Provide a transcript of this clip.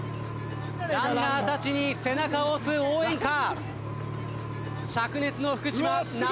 ランナーたちに背中を押す応援歌。